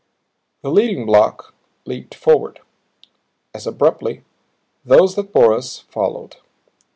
The leading block leaped forward. As abruptly, those that bore us followed.